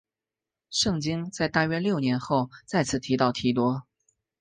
圣经在大约六年后再次提到提多。